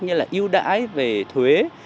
như là ưu đãi về thuế